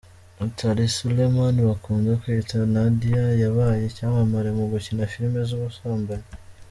Natalie Suleman bakunda kwita Nadya, yabaye icyamamare mu gukina filime z’ubusambanyi.